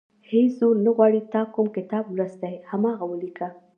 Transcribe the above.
هېڅ زور نه غواړي تا کوم کتاب لوستی، هماغه ولیکه.